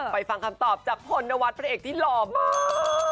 ไปฟังคำตอบจากภนวัดเป็นตัวเหล่ามาก